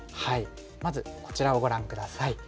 まずこちらをご覧下さい。